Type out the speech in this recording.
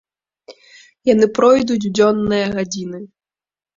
Яны пройдуць у дзённыя гадзіны.